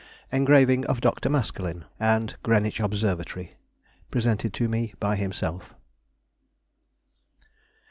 Engraving of Dr. Maskelyne, and Greenwich Observatory (presented to me by himself).